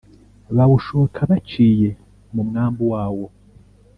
Bawushoka baciye mu mwambu wawo